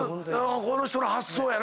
この人の発想やな。